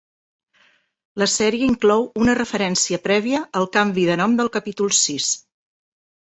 La sèrie inclou una referència prèvia al canvi de nom del capítol sis.